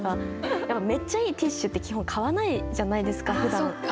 「めっちゃいいティッシュ」って基本買わないじゃないですかふだんやっぱり。